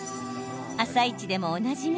「あさイチ」でもおなじみ